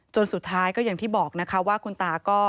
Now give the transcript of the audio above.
สุดท้ายก็อย่างที่บอกนะคะว่าคุณตาก็